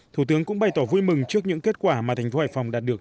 thủ tướng cũng bày tỏ vui mừng trước những kết quả mà thành phố hải phòng đạt được